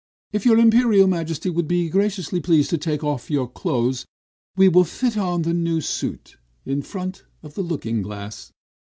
"If your Imperial Majesty will be graciously pleased to take off your clothes, we will fit on the new suit, in front of the looking glass."